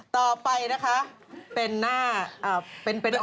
ต่อไปนะคะเป็นหน้าเป็นออนไลน์